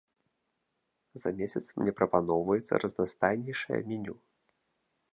За месяц мне прапаноўваецца разнастайнейшае меню.